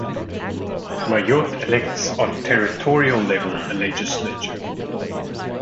Mayotte elects on territorial level a legislature.